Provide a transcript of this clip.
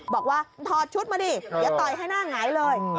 บอกว่าถอดชุดมานี่เดี๋ยวต่อให้หน้าไหงเลย